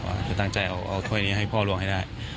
จะตั้งใจเอาถ้วยนี้ให้พ่อลวงให้ได้